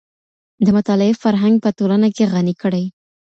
د مطالعې فرهنګ په ټولنه کي غني کړئ.